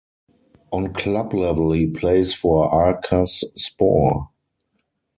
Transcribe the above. On club level he plays for Arkas Spor.